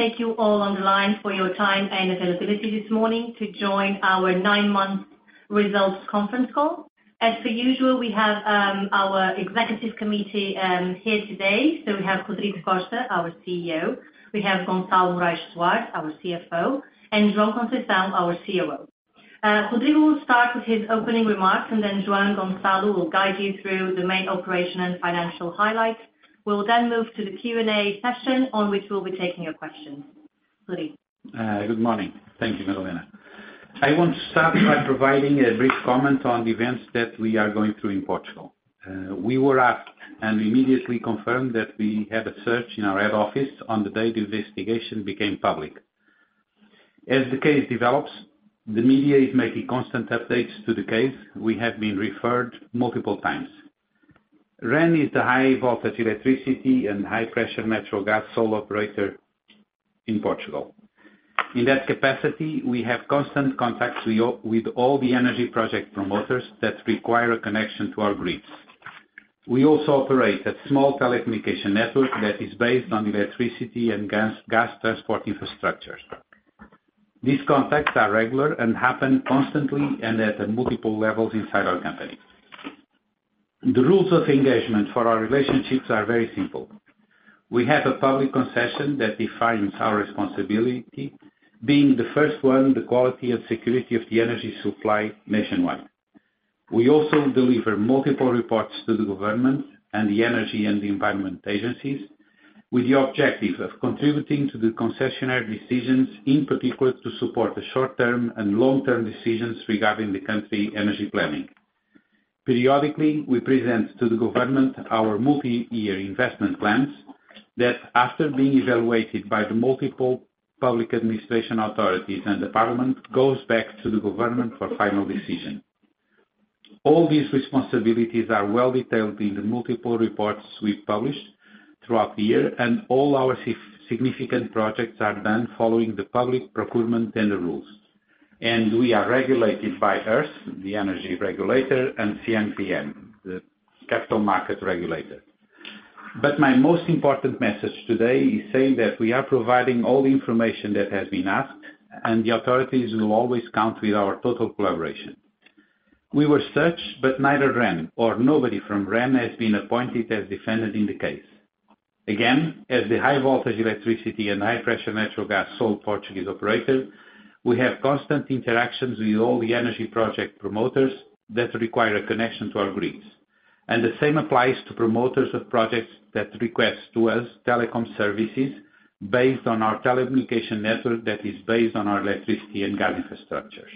Thank you all on the line for your time and availability this morning to join our nine-month results conference call. As per usual, we have our executive committee here today. So we have Rodrigo Costa, our CEO, we have Gonçalo Morais Soares, our CFO, and João Conceição, our COO. Rodrigo will start with his opening remarks, and then João and Gonçalo will guide you through the main operation and financial highlights. We will then move to the Q&A session, on which we'll be taking your questions. Rodrigo? Good morning. Thank you, Madalena. I want to start by providing a brief comment on the events that we are going through in Portugal. We were asked, and we immediately confirmed that we had a search in our head office on the day the investigation became public. As the case develops, the media is making constant updates to the case. We have been referred multiple times. REN is the high voltage electricity and high pressure natural gas sole operator in Portugal. In that capacity, we have constant contacts with all, with all the energy project promoters that require a connection to our grids. We also operate a small telecommunication network that is based on electricity and gas, gas transport infrastructures. These contacts are regular and happen constantly and at multiple levels inside our company. The rules of engagement for our relationships are very simple. We have a public concession that defines our responsibility, being the first one, the quality, security of the energy supply nationwide. We also deliver multiple reports to the government and the energy and the environment agencies, with the objective of contributing to the concessionary decisions, in particular, to support the short-term and long-term decisions regarding the country energy planning. Periodically, we present to the government our multi-year investment plans, that after being evaluated by the multiple public administration authorities and the parliament, goes back to the government for final decision. All these responsibilities are well detailed in the multiple reports we've published throughout the year, and all our significant projects are done following the public procurement tender rules. We are regulated by ERSE, the energy regulator, and CMVM, the capital market regulator. But my most important message today is saying that we are providing all the information that has been asked, and the authorities will always count with our total collaboration. We were searched, but neither REN or nobody from REN has been appointed as defendant in the case. Again, as the high voltage electricity and high pressure natural gas sole Portuguese operator, we have constant interactions with all the energy project promoters that require a connection to our grids. The same applies to promoters of projects that request to us telecom services based on our telecommunication network that is based on our electricity and gas infrastructures.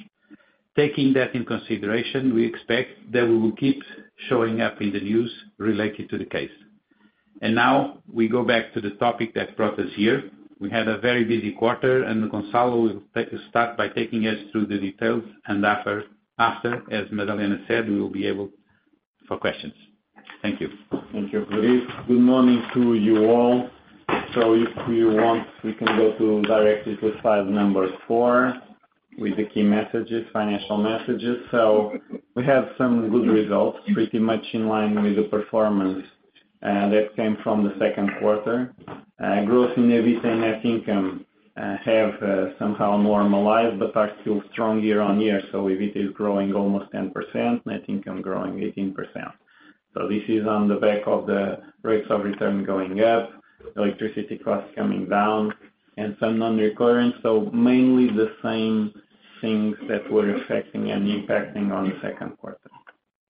Taking that in consideration, we expect that we will keep showing up in the news related to the case. Now, we go back to the topic that brought us here. We had a very busy quarter, and Gonçalo will start by taking us through the details, and after, as Madalena said, we will be able for questions. Thank you. Thank you, Rodrigo. Good morning to you all. So if you want, we can go to directly to slide number four, with the key messages, financial messages. So we have some good results, pretty much in line with the performance, that came from the second quarter. Growth in EBITDA and net income, have, somehow normalized, but are still strong year-on-year, so EBITDA is growing almost 10%, net income growing 18%. So this is on the back of the rates of return going up, electricity costs coming down, and some non-recurrent. So mainly the same things that were affecting and impacting on the second quarter.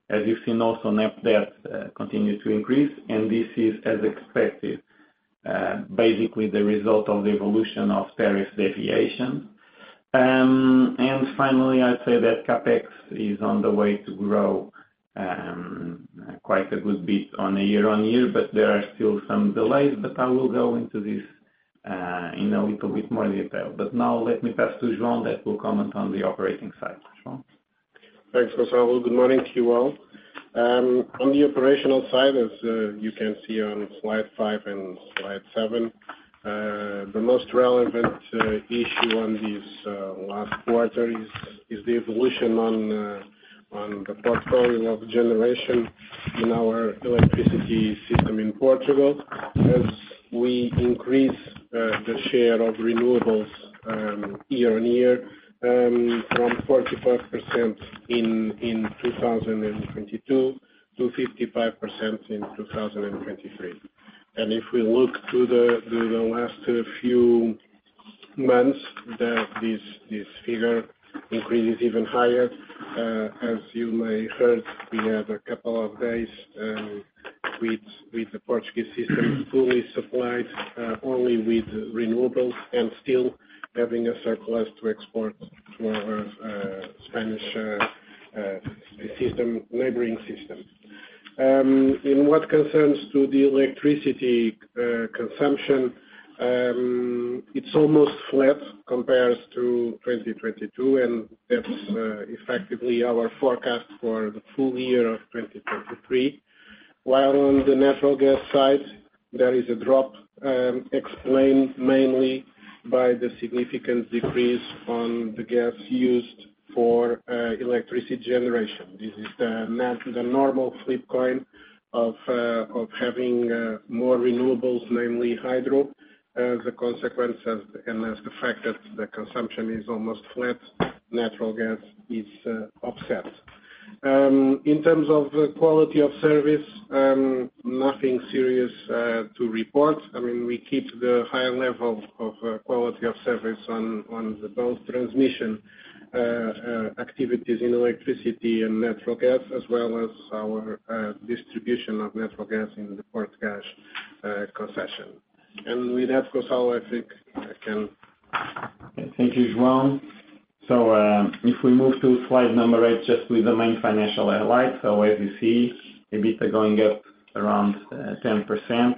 As you've seen also, net debt, continues to increase, and this is, as expected, basically the result of the evolution of various deviations. And finally, I'd say that CapEx is on the way to grow, quite a good bit on a year-over-year, but there are still some delays, but I will go into this, in a little bit more detail. But now let me pass to João, that will comment on the operating side. João? Thanks, Gonçalo. Good morning to you all. On the operational side, as you can see on slide five and slide seven, the most relevant issue on this last quarter is the evolution on the portfolio of generation in our electricity system in Portugal. As we increase the share of renewables year-on-year, from 44% in 2022 to 55% in 2023. If we look to the last few months, that this figure increases even higher. As you may heard, we have a couple of days with the Portuguese system fully supplied only with renewables and still having a surplus to export to our Spanish system, neighboring system. In what concerns to the electricity consumption, it's almost flat compares to 2022, and that's effectively our forecast for the full year of 2023. While on the natural gas side. There is a drop, explained mainly by the significant decrease on the gas used for electricity generation. This is the normal flip coin of having more renewables, mainly hydro. The consequence of and as the fact that the consumption is almost flat, natural gas is offset. In terms of the quality of service, nothing serious to report. I mean, we keep the high level of quality of service on both transmission activities in electricity and natural gas, as well as our distribution of natural gas in the Portgás concession. And with that, Gonçalo, I think I can- Thank you, João. So, if we move to slide number 8, just with the main financial highlights. So as you see, EBITDA going up around 10%.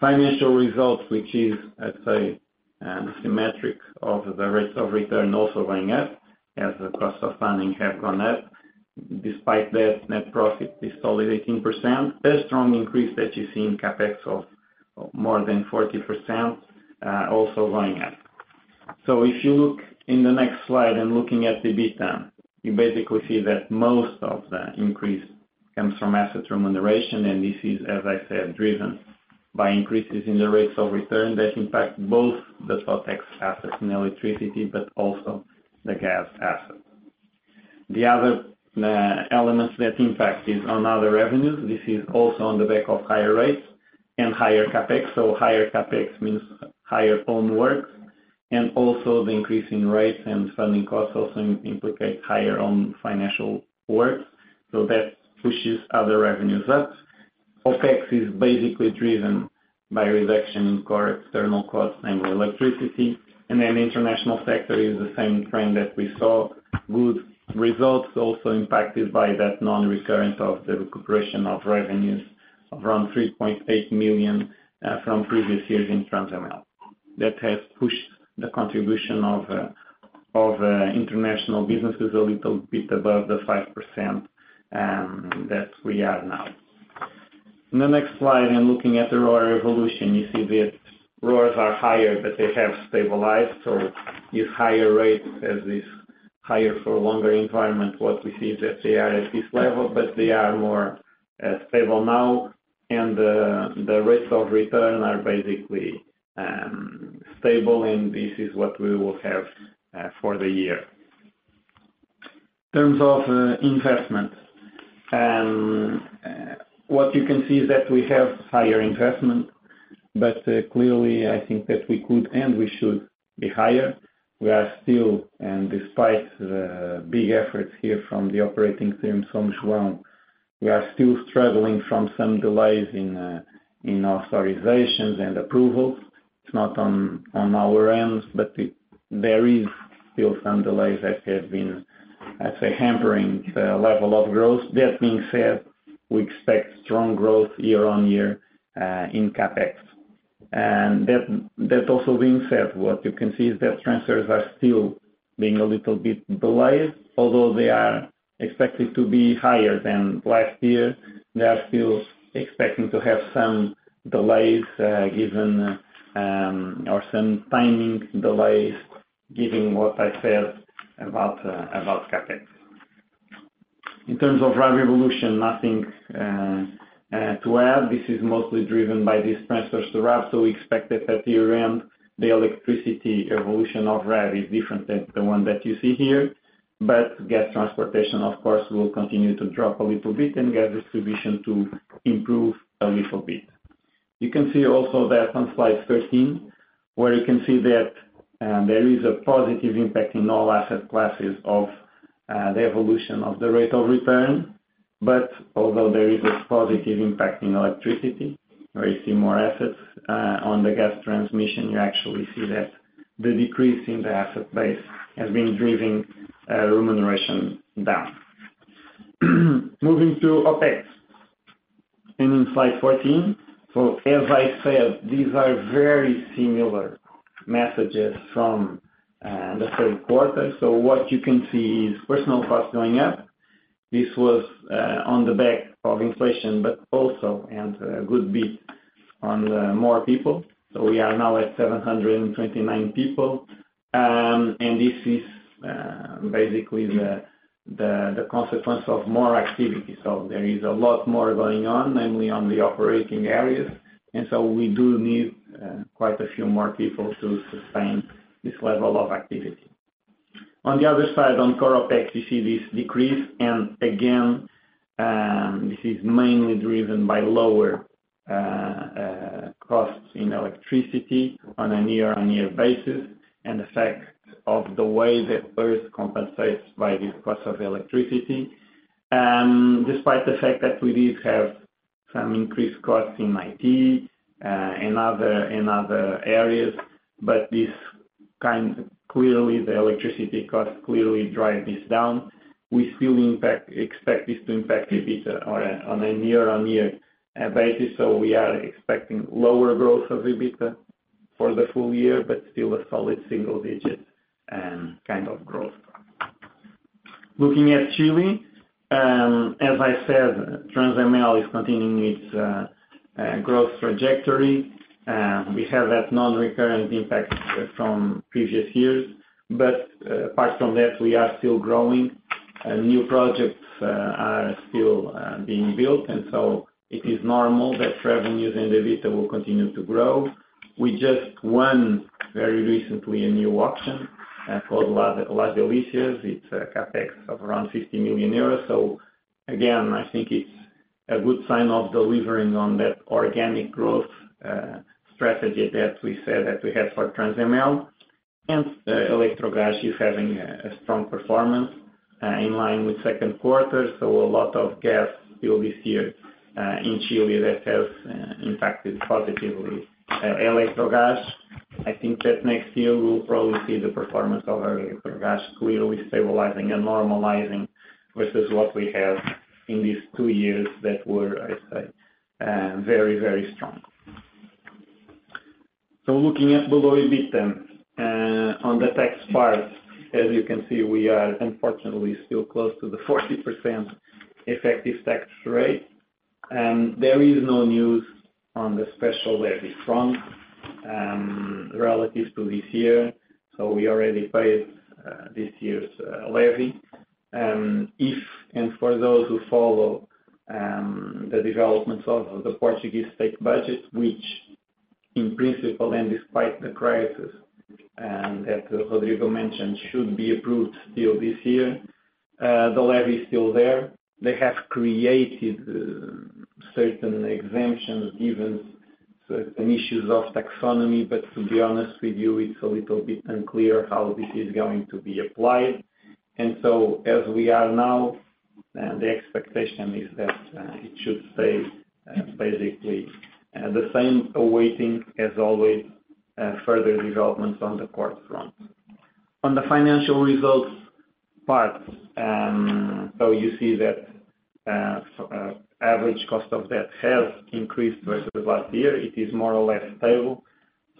Financial results, which is, let's say, symmetric of the rates of return, also going up, as the cost of funding have gone up. Despite that, net profit is solid 18%. There's strong increase that you see in CapEx of more than 40%, also going up. So if you look in the next slide and looking at the EBITDA, you basically see that most of the increase comes from asset remuneration, and this is, as I said, driven by increases in the rates of return that impact both the RNT assets and electricity, but also the gas assets. The other elements that impact is on other revenues. This is also on the back of higher rates and higher CapEx. So higher CapEx means higher own works, and also the increase in rates and funding costs also implicate higher own financial works. So that pushes other revenues up. OpEx is basically driven by reduction in core external costs, namely electricity. And then international sector is the same trend that we saw. Good results also impacted by that non-recurrence of the recuperation of revenues of around 3.8 million from previous years in Transemel. That has pushed the contribution of international businesses a little bit above the 5% that we are now. In the next slide, I'm looking at the RoR evolution. You see the RoRs are higher, but they have stabilized, so this higher rate as is higher for longer environment. What we see is that they are at this level, but they are more stable now, and the rates of return are basically stable, and this is what we will have for the year. In terms of investment, what you can see is that we have higher investment, but clearly, I think that we could and we should be higher. We are still, and despite the big efforts here from the operating team, from João, we are still struggling from some delays in our authorizations and approvals. It's not on our ends, but there is still some delays that have been, let's say, hampering the level of growth. That being said, we expect strong growth year on year in CapEx. That also being said, what you can see is that transfers are still being a little bit delayed, although they are expected to be higher than last year, they are still expecting to have some delays, given, or some timing delays, given what I said about about CapEx. In terms of RAB evolution, nothing to add. This is mostly driven by these transfers to RAB, so we expect that at the end, the electricity evolution of RAB is different than the one that you see here. Gas transportation, of course, will continue to drop a little bit and gas distribution to improve a little bit. You can see also that on slide 13, where you can see that, there is a positive impact in all asset classes of the evolution of the rate of return. But although there is a positive impact in electricity, where you see more assets, on the gas transmission, you actually see that the decrease in the asset base has been driving remuneration down. Moving to OpEx, and in slide 14. So as I said, these are very similar messages from the third quarter. So what you can see is personnel costs going up. This was on the back of inflation, but also a good bit on the more people. So we are now at 729 people. And this is basically the consequence of more activity. So there is a lot more going on, mainly on the operating areas, and so we do need quite a few more people to sustain this level of activity. On the other side, on core OpEx, you see this decrease, and again, this is mainly driven by lower costs in electricity on a year-on-year basis, and the fact of the way that ERSE compensates by this cost of electricity. Despite the fact that we did have some increased costs in IT, and other areas, but clearly, the electricity cost clearly drive this down. We still expect this to impact EBITDA on a year-on-year basis, so we are expecting lower growth of EBITDA for the full year, but still a solid single digit kind of growth. Looking at Chile, as I said, Transemel is continuing its growth trajectory. We have that non-recurring impact from previous years, but apart from that, we are still growing, and new projects are still being built, and so it is normal that revenues and EBITDA will continue to grow. We just won very recently a new auction called Las Delicias. It's a CapEx of around 50 million euros. So again, I think it's a good sign of delivering on that organic growth strategy that we said that we had for Transemel. Electrogas is having a strong performance in line with second quarter, so a lot of gas will be here in Chile that has impacted positively Electrogas. I think that next year, we'll probably see the performance of our Electrogas clearly stabilizing and normalizing versus what we have in these two years that were, I'd say, very, very strong. So looking at below EBITDA, on the tax part, as you can see, we are unfortunately still close to the 40% effective tax rate. There is no news on the special levy front, relative to this year, so we already paid, this year's, levy. If and for those who follow, the developments of the Portuguese state budget, which in principle and despite the crisis, and as Rodrigo mentioned, should be approved still this year, the levy is still there. They have created, certain exemptions, given certain issues of taxonomy, but to be honest with you, it's a little bit unclear how this is going to be applied. As we are now, the expectation is that it should stay basically the same, awaiting, as always, further developments on the court front. On the financial results part, so you see that average cost of debt has increased versus last year. It is more or less stable.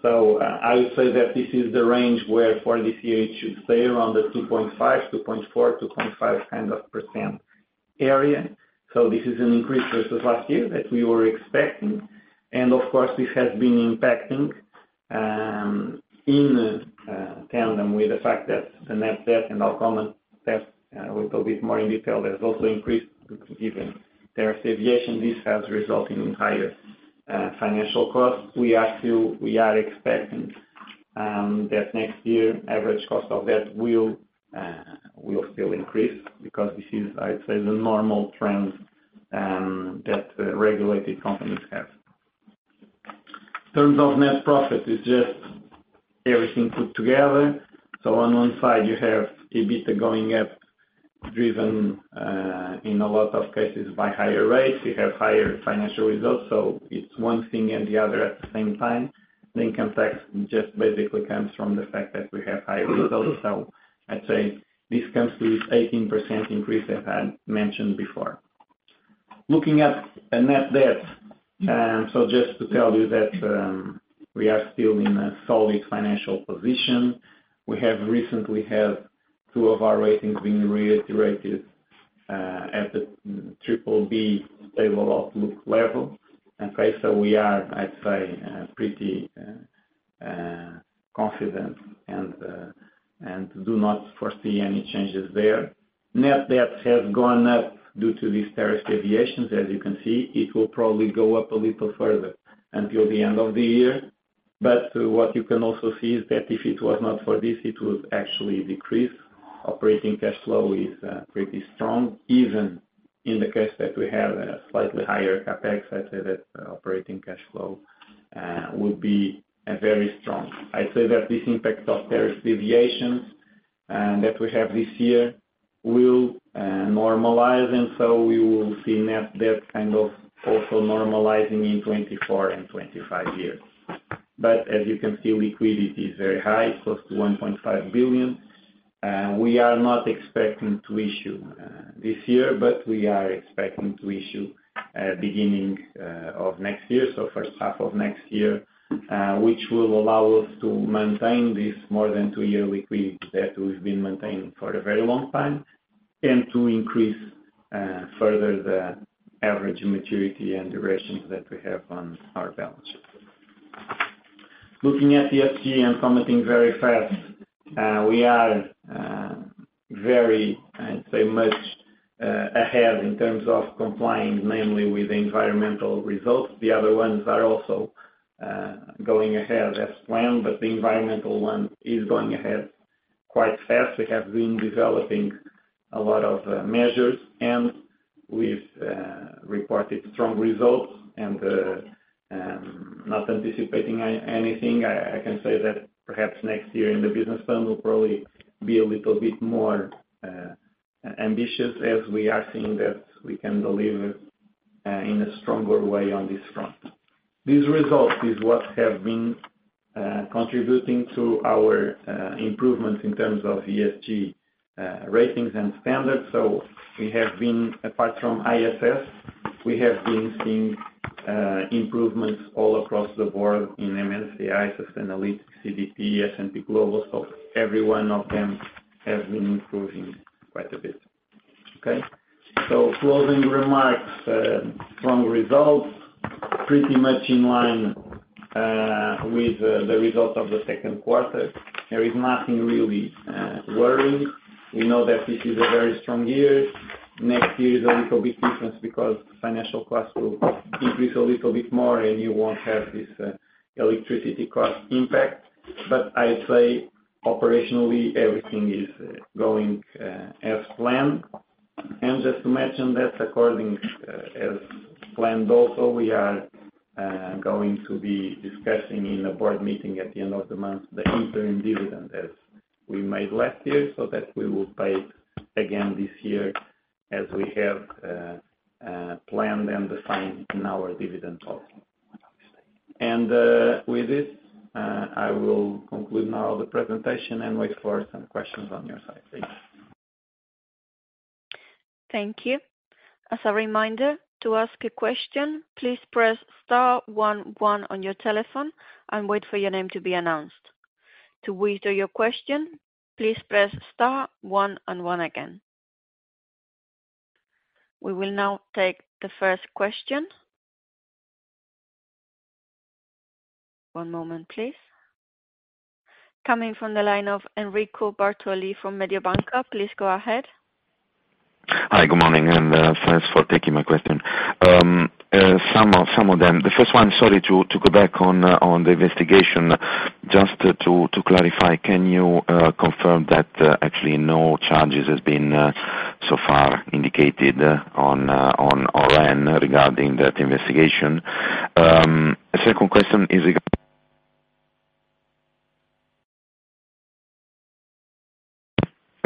So I would say that this is the range where for this year, it should stay around the 2.5%, 2.4%, 2.5% area. So this is an increase versus last year that we were expecting. And of course, this has been impacting in tandem with the fact that the net debt and our gross debt, a little bit more in detail, has also increased given tariff deviation. This has resulted in higher financial costs. We are expecting that next year, average cost of debt will still increase because this is, I'd say, the normal trend that regulated companies have. In terms of net profit, it's just everything put together. So on one side, you have EBITDA going up, driven in a lot of cases by higher rates. You have higher financial results, so it's one thing and the other at the same time. The income tax just basically comes from the fact that we have high results. So I'd say this comes with 18% increase I had mentioned before. Looking at net debt, so just to tell you that we are still in a solid financial position. We have recently had two of our ratings being reiterated at the triple B stable outlook level. Okay, so we are, I'd say, pretty confident and, and do not foresee any changes there. Net debt has gone up due to these tariff deviations, as you can see. It will probably go up a little further until the end of the year. But what you can also see is that if it was not for this, it would actually decrease. Operating cash flow is, pretty strong, even in the case that we have a slightly higher CapEx. I'd say that operating cash flow will be, very strong. I'd say that this impact of tariff deviations that we have this year will normalize, and so we will see net debt kind of also normalizing in 2024 and 2025. But as you can see, liquidity is very high, close to 1.5 billion, and we are not expecting to issue this year, but we are expecting to issue beginning of next year, so first half of next year, which will allow us to maintain this more than two-year liquidity that we've been maintaining for a very long time, and to increase further the average maturity and durations that we have on our balance sheet. Looking at ESG and commenting very fast, we are very, I'd say, much ahead in terms of complying mainly with the environmental results. The other ones are also going ahead as planned, but the environmental one is going ahead quite fast. We have been developing a lot of measures, and we've reported strong results and not anticipating anything. I, I can say that perhaps next year in the business plan, we'll probably be a little bit more ambitious as we are seeing that we can deliver in a stronger way on this front. These results is what have been contributing to our improvements in terms of ESG ratings and standards. So we have been, apart from ISS, we have been seeing improvements all across the board in MSCI, Sustainalytics, CDP, S&P Global. So every one of them has been improving quite a bit, okay? So closing remarks strong results, pretty much in line with the, the results of the second quarter. There is nothing really worrying. We know that this is a very strong year. Next year is a little bit different because financial costs will increase a little bit more, and you won't have this electricity cost impact. But I'd say operationally, everything is going as planned. And just to mention that according as planned also, we are going to be discussing in a board meeting at the end of the month, the interim dividend, as we made last year, so that we will pay again this year as we have planned and defined in our dividend policy. And with this, I will conclude now the presentation and wait for some questions on your side. Please. Thank you. As a reminder, to ask a question, please press star one one on your telephone and wait for your name to be announced. To withdraw your question, please press star one and one again. We will now take the first question. One moment, please. Coming from the line of Enrico Bartoli from Mediobanca. Please, go ahead. Hi, good morning, and thanks for taking my question. The first one, sorry, to go back on the investigation. Just to clarify, can you confirm that actually no charges has been so far indicated on REN regarding that investigation? The second question is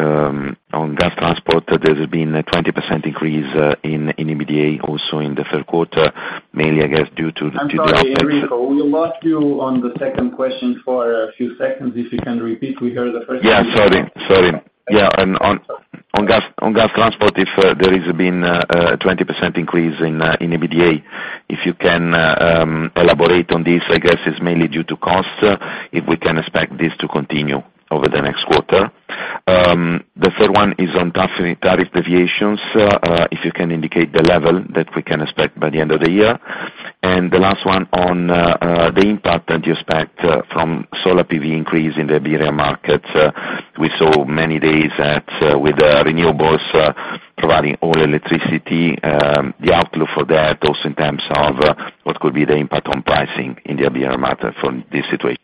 on gas transport, there has been a 20% increase in EBITDA, also in the third quarter, mainly, I guess, due to the- I'm sorry, Enrico, we lost you on the second question for a few seconds. If you can repeat, we heard the first- Yeah, sorry, sorry. Yeah, on gas transport, if there is been a 20% increase in EBITDA. If you can elaborate on this, I guess, it's mainly due to costs, if we can expect this to continue over the next quarter. The third one is on tariff deviations. If you can indicate the level that we can expect by the end of the year. And the last one on the impact that you expect from solar PV increase in the Iberia market. We saw many days that with renewables providing all electricity, the outlook for that, also in terms of what could be the impact on pricing in the Iberia market from this situation?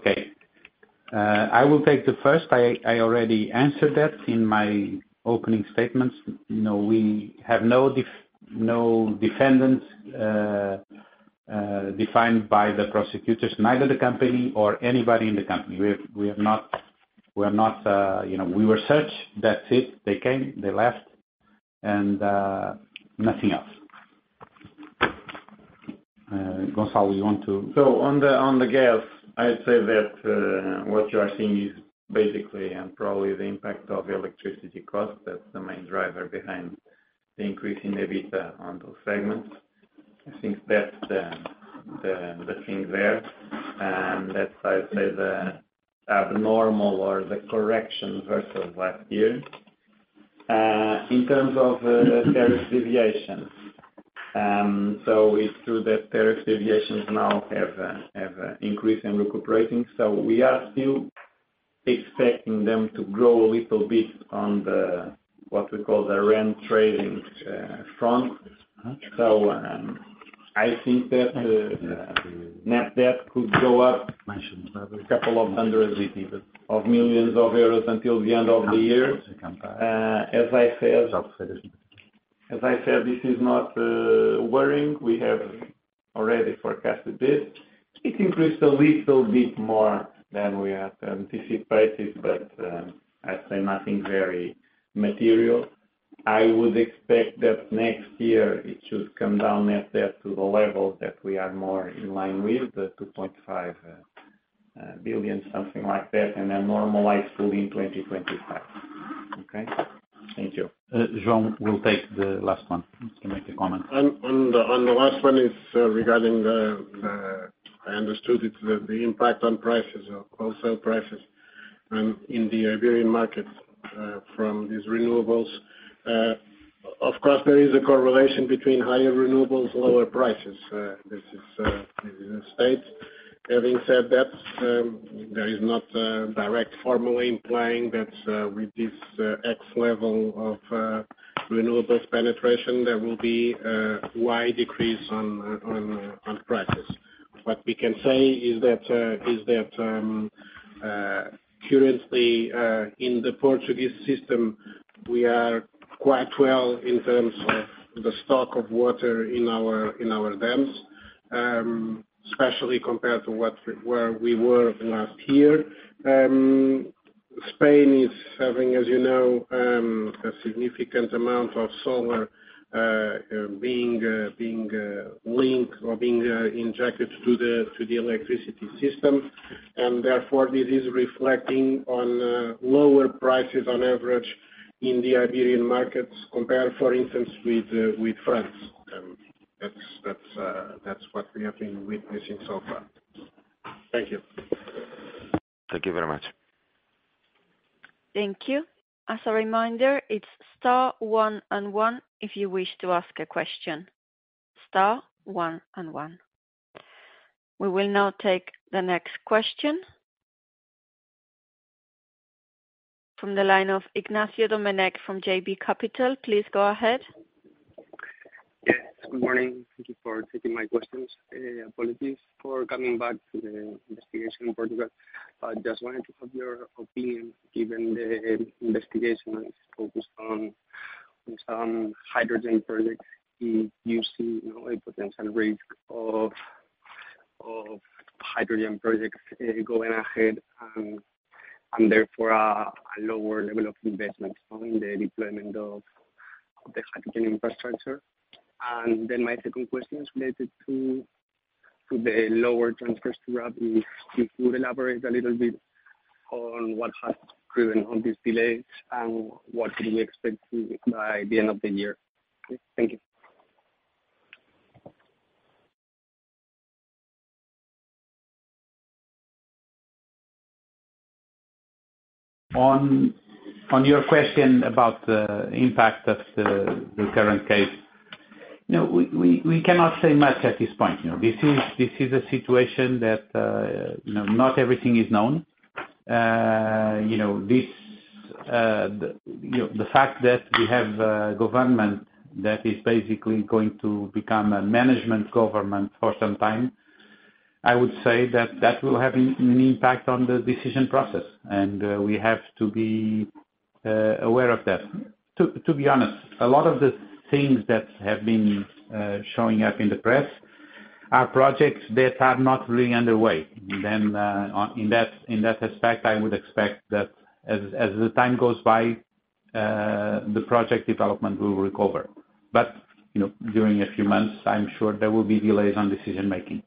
Okay. I will take the first. I already answered that in my opening statements. No, we have no defendants defined by the prosecutors, neither the company or anybody in the company. We have not. We are not, you know, we were searched, that's it. They came, they left, and nothing else. Gonçalo, you want to. So on the gas, I'd say that what you are seeing is basically and probably the impact of electricity costs. That's the main driver behind the increase in the EBITDA on those segments. I think that's the thing there, and that's, I'd say, the abnormal or the correction versus last year. In terms of tariff deviations, so it's true that tariff deviations now have an increase in recuperating. So we are still expecting them to grow a little bit on the, what we call the REN Trading, front. So, I think that, net debt could go up a couple of hundred million EUR until the end of the year. As I said, as I said, this is not, worrying. We have already forecasted this. It increased a little bit more than we had anticipated, but, I'd say nothing very material. I would expect that next year it should come down, net debt, to the level that we are more in line with, the 2.5 billion, something like that, and then normalize fully in 2025. Okay? Thank you. João will take the last one. He can make a comment. On the last one, it's regarding the, I understood it, the impact on prices, on wholesale prices, in the Iberian market, from these renewables. Of course, there is a correlation between higher renewables, lower prices. This is the state. Having said that, there is not a direct formula implying that, with this, X level of renewables penetration, there will be wide decrease on prices. What we can say is that currently, in the Portuguese system, we are quite well in terms of the stock of water in our dams, especially compared to where we were last year. Spain is having, as you know, a significant amount of solar being linked or being injected to the electricity system.... and therefore, this is reflecting on lower prices on average in the Iberian markets compared, for instance, with France. And that's what we have been witnessing so far. Thank you. Thank you very much. Thank you. As a reminder, it's star one and one, if you wish to ask a question. Star one and one. We will now take the next question. From the line of Ignacio Domenech from JB Capital, please go ahead. Yes, good morning. Thank you for taking my questions. Apologies for coming back to the investigation in Portugal. I just wanted to have your opinion, given the investigation is focused on, on some hydrogen projects, do you see, you know, a potential risk of, of hydrogen projects, going ahead and, and therefore, a lower level of investment on the deployment of the hydrogen infrastructure? And then my second question is related to, to the lower transfers to RAB, if you would elaborate a little bit on what has driven on these delays and what do we expect to by the end of the year? Thank you. On your question about the impact of the current case, you know, we cannot say much at this point. You know, this is a situation that, you know, not everything is known. You know, the fact that we have a government that is basically going to become a management government for some time, I would say that that will have an impact on the decision process, and we have to be aware of that. To be honest, a lot of the things that have been showing up in the press are projects that are not really underway. Then, in that aspect, I would expect that as the time goes by, the project development will recover. You know, during a few months, I'm sure there will be delays on decision-making.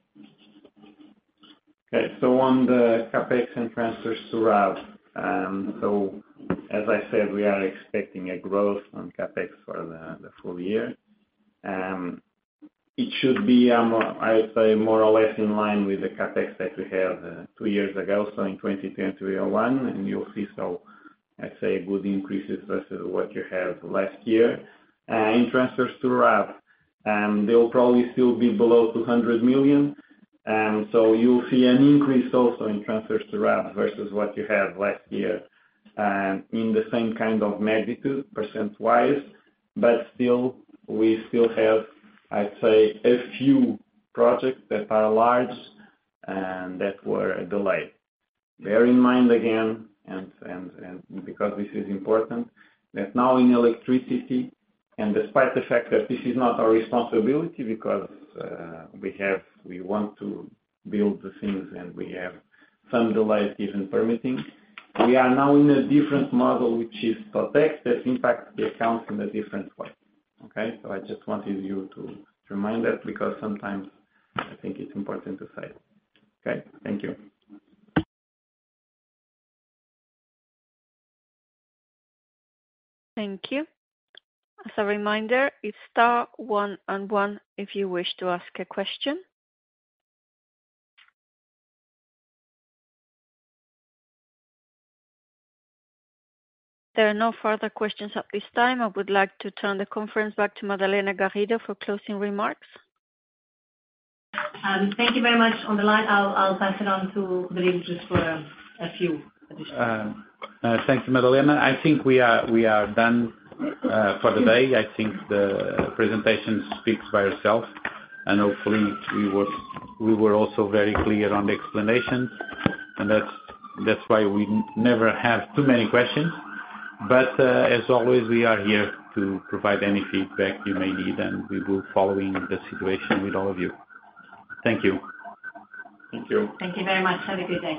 Okay, so on the CapEx and transfers to RAB. So as I said, we are expecting a growth on CapEx for the full year. It should be, I'd say more or less in line with the CapEx that we had two years ago, so in 2010, 2021, and you'll see so, I'd say, good increases versus what you had last year. In transfers to RAB, they will probably still be below 200 million. So you'll see an increase also in transfers to RAB versus what you had last year, in the same kind of magnitude, percent-wise, but still, we still have, I'd say, a few projects that are large and that were delayed. Bear in mind again, and because this is important, that now in electricity, and despite the fact that this is not our responsibility because we have we want to build the things and we have some delays, even permitting, we are now in a different model, which is project that impacts the accounts in a different way, okay? So I just wanted you to remind that because sometimes I think it's important to say. Okay, thank you. Thank you. As a reminder, it's star one and one, if you wish to ask a question. There are no further questions at this time. I would like to turn the conference back to Madalena Garrido for closing remarks. Thank you very much on the line. I'll pass it on to Rodrigo for a few additional- Thank you, Madalena. I think we are done for the day. I think the presentation speaks by itself, and hopefully we were also very clear on the explanations, and that's why we never have too many questions. But, as always, we are here to provide any feedback you may need, and we will following the situation with all of you. Thank you. Thank you. Thank you very much. Have a good day.